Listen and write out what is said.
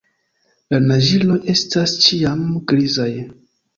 La naĝiloj estas ĉiam grizaj.